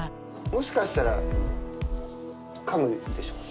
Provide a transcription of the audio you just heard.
もしかしたら、かむでしょ。